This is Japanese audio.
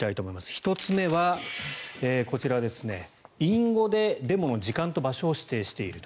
１つ目はこちら隠語でデモの時間と場所を指定していると。